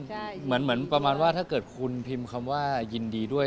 พิมพ์ใต้คอมเมนต์เหมือนประมาณว่าถ้าเกิดคุณพิมพ์คำว่ายินดีด้วย